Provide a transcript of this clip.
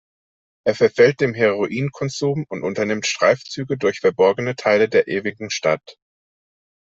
Er verfällt dem Heroin-Konsum und unternimmt Streifzüge durch verborgene Teile der Ewigen Stadt.